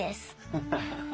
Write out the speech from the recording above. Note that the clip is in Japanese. ハハハハ。